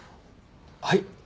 はい？